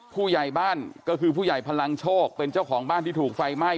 ผู้ใหญ่บ้านก็คือผู้ใหญ่พลังโชคเป็นเจ้าของบ้านที่ถูกไฟไหม้